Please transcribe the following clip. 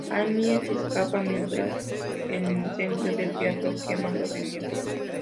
Jamie se escapa mientras el incendio del teatro quema los muñecos.